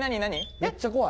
めっちゃ怖い。